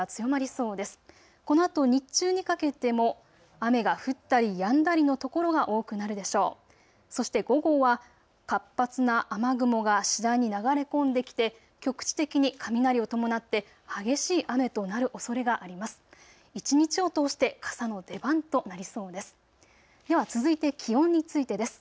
そして午後は活発な雨雲が次第に流れ込んできて局地的に雷を伴って激しい雨となるおそれがあります。